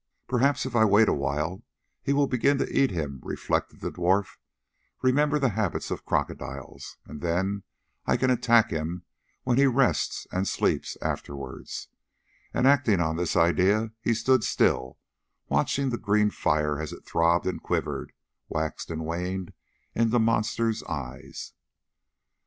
"Perhaps if I wait awhile he will begin to eat him," reflected the dwarf, remembering the habits of crocodiles, "and then I can attack him when he rests and sleeps afterwards"; and, acting on this idea, he stood still, watching the green fire as it throbbed and quivered, waxed and waned in the monster's eyes.